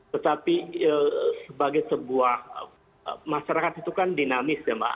tetapi sebagai sebuah masyarakat itu kan dinamis ya mbak